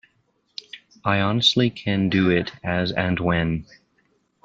I honestly can do it as and when.